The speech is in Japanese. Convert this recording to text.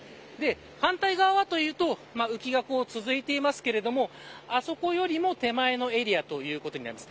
反対側は浮きが続いていますがあそこよりも手前のエリアということになります。